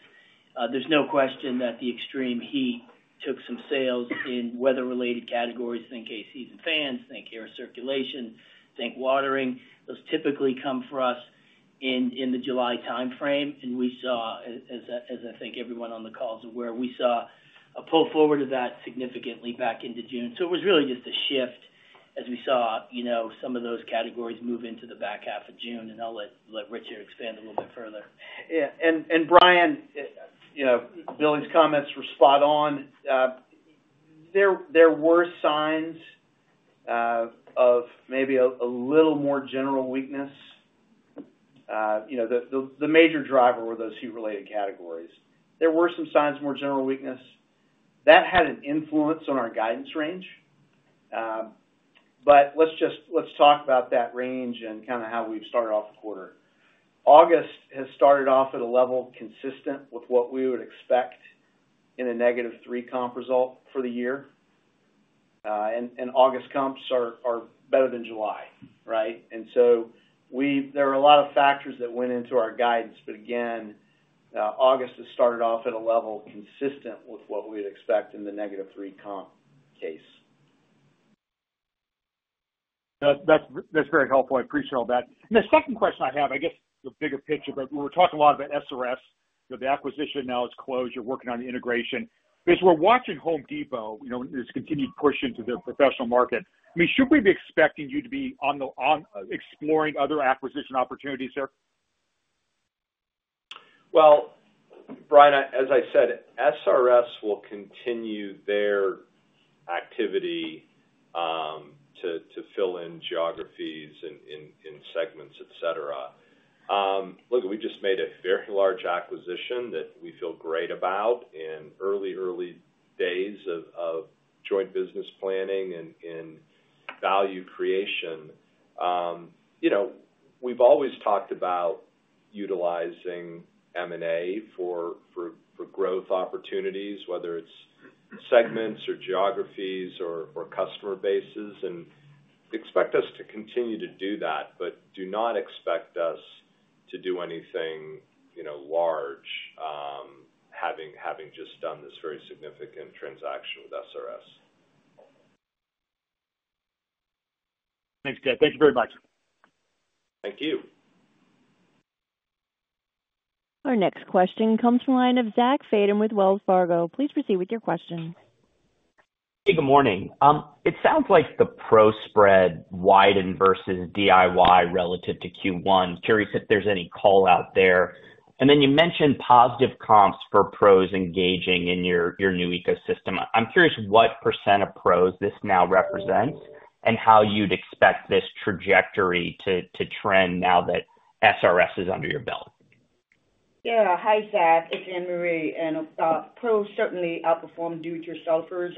There's no question that the extreme heat took some sales in weather-related categories, think ACs and fans, think air circulation, think watering. Those typically come for us in the July timeframe, and we saw, as I think everyone on the call is aware, we saw a pull forward of that significantly back into June. So it was really just a shift as we saw, you know, some of those categories move into the back half of June, and I'll let Richard expand a little bit further. Yeah, and Brian, you know, Billy's comments were spot on. There were signs of maybe a little more general weakness. You know, the major driver were those heat-related categories. There were some signs of more general weakness. That had an influence on our guidance range. But let's talk about that range and kind of how we've started off the quarter. August has started off at a level consistent with what we would expect in a negative 3 comp result for the year. And August comps are better than July, right? And so there are a lot of factors that went into our guidance, but again, August has started off at a level consistent with what we'd expect in the negative 3 comp case. That's very helpful. I appreciate all that. And the second question I have, I guess, the bigger picture, but we're talking a lot about SRS. So the acquisition now is closed. You're working on the integration. As we're watching Home Depot, you know, this continued push into their professional market, I mean, should we be expecting you to be exploring other acquisition opportunities there? Well, Brian, as I said, SRS will continue their activity to fill in geographies in segments, et cetera. Look, we just made a very large acquisition that we feel great about in early days of joint business planning and value creation. You know, we've always talked about utilizing M&A for growth opportunities, whether it's segments or geographies or customer bases, and expect us to continue to do that, but do not expect us to do anything, you know, large, having just done this very significant transaction with SRS. Thanks, Ted. Thank you very much. Thank you. Our next question comes from the line of Zach Fadem with Wells Fargo. Please proceed with your question. Hey, good morning. It sounds like the pro spread widened versus DIY relative to Q1. Curious if there's any call out there. And then you mentioned positive comps for pros engaging in your new ecosystem. I'm curious what % of pros this now represents and how you'd expect this trajectory to trend now that SRS is under your belt? Yeah. Hi, Zach, it's Ann-Marie. Pro certainly outperformed do-it-yourselfers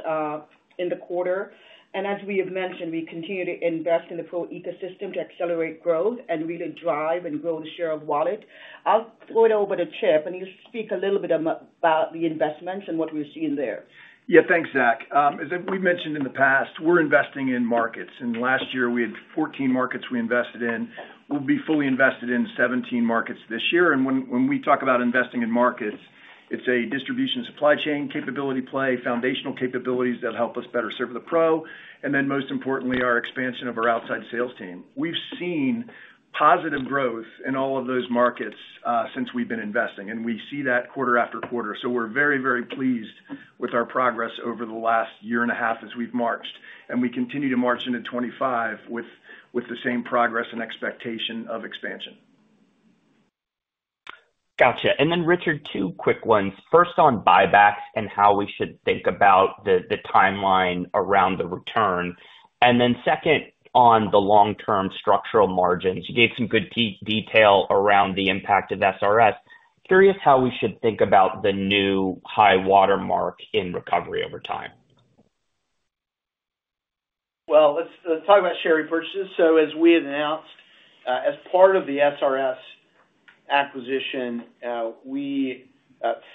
in the quarter. As we have mentioned, we continue to invest in the pro ecosystem to accelerate growth and really drive and grow the share of wallet. I'll throw it over to Chip, and he'll speak a little bit about the investments and what we're seeing there. Yeah. Thanks, Zach. As we mentioned in the past, we're investing in markets, and last year we had 14 markets we invested in. We'll be fully invested in 17 markets this year. And when we talk about investing in markets, it's a distribution supply chain capability play, foundational capabilities that help us better serve the pro, and then most importantly, our expansion of our outside sales team. We've seen positive growth in all of those markets since we've been investing, and we see that quarter after quarter. So we're very, very pleased with our progress over the last year and a half as we've marched, and we continue to march into 2025 with the same progress and expectation of expansion. Gotcha. And then, Richard, two quick ones. First, on buybacks and how we should think about the timeline around the return. And then second, on the long-term structural margins. You gave some good detail around the impact of SRS. Curious how we should think about the new high-water mark in recovery over time? Well, let's talk about share repurchases. So as we announced, as part of the SRS acquisition, we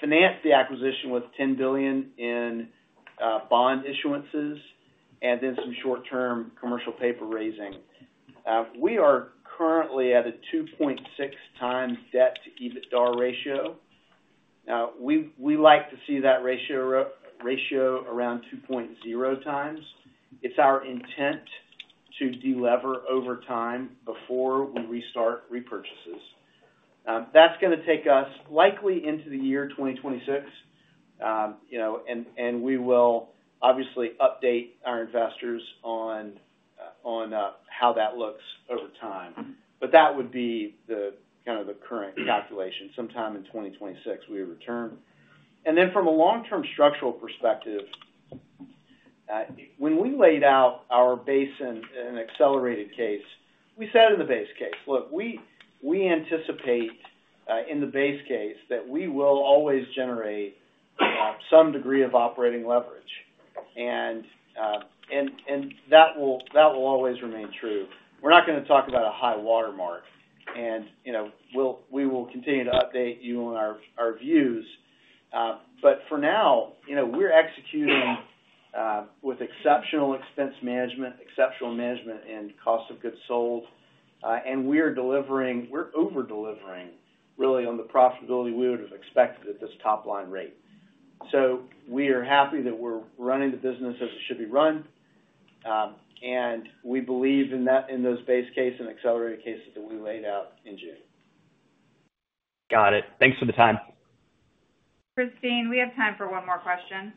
financed the acquisition with $10 billion in bond issuances and then some short-term commercial paper raising. We are currently at a 2.6 times debt-to-EBITDA ratio. Now, we like to see that ratio around 2.0 times. It's our intent to delever over time before we restart repurchases. That's gonna take us likely into the year 2026. You know, and we will obviously update our investors on how that looks over time. But that would be the kind of the current calculation. Sometime in 2026, we return. And then from a long-term structural perspective, when we laid out our base in an accelerated case, we said in the base case, "Look, we anticipate in the base case, that we will always generate some degree of operating leverage." And that will always remain true. We're not gonna talk about a high-water mark, and you know, we'll we will continue to update you on our views. But for now, you know, we're executing with exceptional expense management, exceptional management and cost of goods sold. And we are delivering, we're over-delivering, really, on the profitability we would have expected at this top line rate. So we are happy that we're running the business as it should be run, and we believe in those base case and accelerated cases that we laid out in June. Got it. Thanks for the time. Christine, we have time for one more question.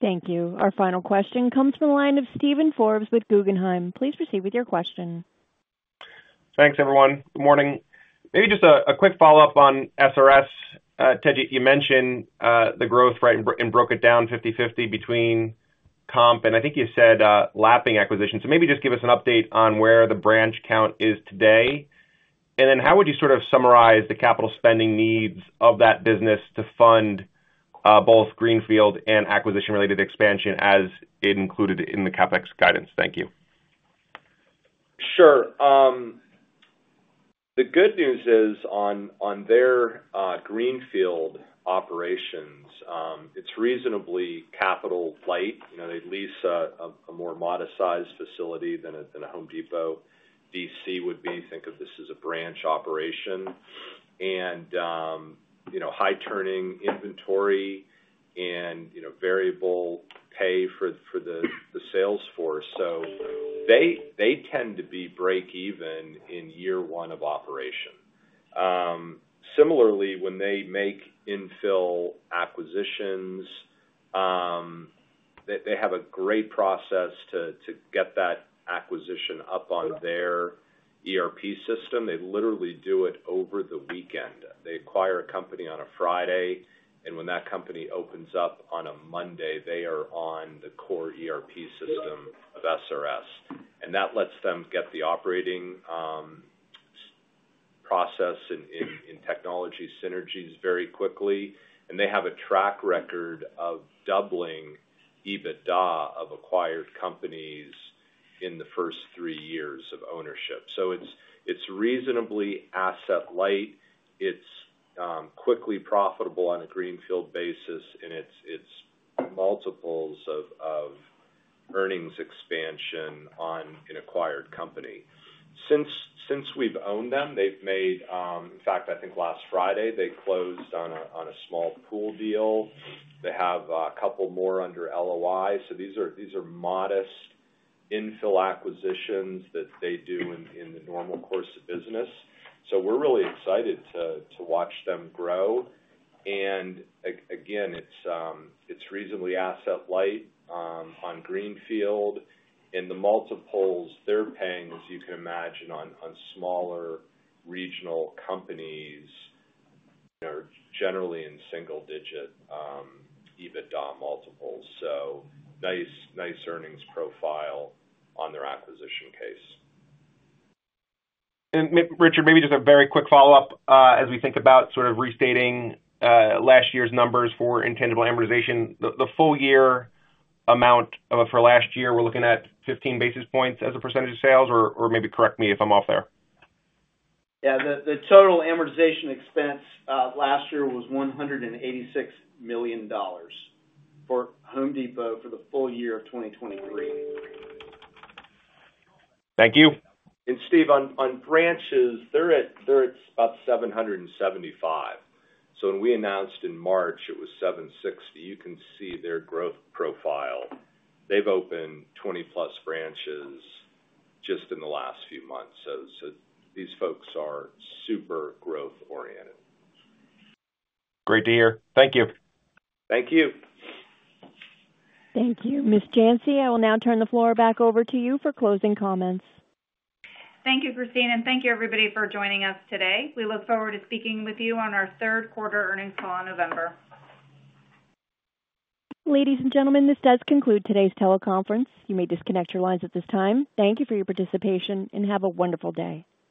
Thank you. Our final question comes from the line of Steven Forbes with Guggenheim. Please proceed with your question. Thanks, everyone. Good morning. Maybe just a quick follow-up on SRS. Ted, you mentioned the growth rate and broke it down 50/50 between comp, and I think you said lapping acquisitions. So maybe just give us an update on where the branch count is today. And then how would you sort of summarize the capital spending needs of that business to fund both greenfield and acquisition-related expansion, as it included in the CapEx guidance? Thank you. Sure. The good news is on their greenfield operations, it's reasonably capital light. You know, they lease a more modest-sized facility than a Home Depot DC would be. Think of this as a branch operation. And, you know, high turning inventory and, you know, variable pay for the sales force. So they tend to be breakeven in year one of operation. Similarly, when they make infill acquisitions, they have a great process to get that acquisition up on their ERP system. They literally do it over the weekend. They acquire a company on a Friday, and when that company opens up on a Monday, they are on the core ERP system of SRS. And that lets them get the operating process in technology synergies very quickly, and they have a track record of doubling EBITDA of acquired companies in the first three years of ownership. So it's reasonably asset light. It's quickly profitable on a greenfield basis, and it's multiples of earnings expansion on an acquired company. Since we've owned them, they've made. In fact, I think last Friday, they closed on a small pool deal. They have a couple more under LOI, so these are modest infill acquisitions that they do in the normal course of business. So we're really excited to watch them grow. And again, it's reasonably asset light on greenfield. In the multiples, they're paying, as you can imagine, on smaller regional companies, they're generally in single digit EBITDA multiples, so nice, nice earnings profile on their acquisition case. Richard, maybe just a very quick follow-up. As we think about sort of restating last year's numbers for intangible amortization, the full year amount for last year, we're looking at 15 basis points as a percentage of sales, or maybe correct me if I'm off there. Yeah, the total amortization expense last year was $186 million for Home Depot for the full year of 2023. Thank you. Steve, on branches, they're at about 775. So when we announced in March, it was 760. You can see their growth profile. They've opened 20+ branches just in the last few months. So these folks are super growth oriented. Great to hear. Thank you. Thank you. Thank you. Ms. Janci, I will now turn the floor back over to you for closing comments. Thank you, Christine, and thank you, everybody, for joining us today. We look forward to speaking with you on our third quarter earnings call in November. Ladies and gentlemen, this does conclude today's teleconference. You may disconnect your lines at this time. Thank you for your participation, and have a wonderful day.